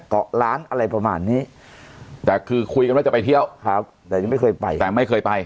เกาะล้านอะไรประมาณนี้แต่คือคุยกันว่าจะไปเที่ยวครับแต่ยังไม่เคยไปแต่ไม่เคยไป